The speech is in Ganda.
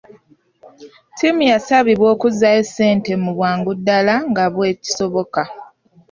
Ttiimu yasabibwa okuzzaayo ssente mu bwangu ddala nga bwe kisoboka.